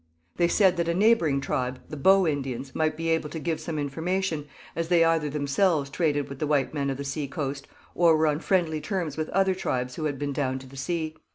They said that a neighbouring tribe, the Bow Indians, might be able to give some information, as they either themselves traded with the white men of the sea coast, or were on friendly terms with other tribes who had been down to the sea.